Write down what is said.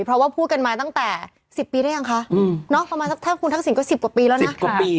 เพราะว่าพูดกันมาตั้งแต่๑๐ปีได้ยังคะประมาณถ้าคุณทักษิณก็๑๐กว่าปีแล้วนะ